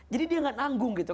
jadi dia gak nanggung gitu